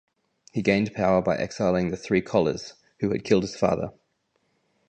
He gained power by exiling the three Collas, who had killed his father.